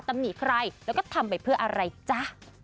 ตำหนิใครแล้วก็ทำไปเพื่ออะไรจ๊ะ